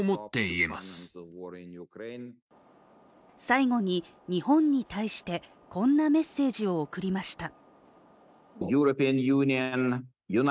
最後に日本に対してこんなメッセージを送りました。